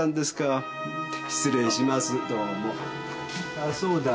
あっそうだ。